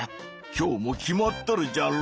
今日もキマっとるじゃろ？